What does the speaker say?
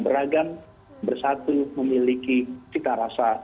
beragam bersatu memiliki cita rasa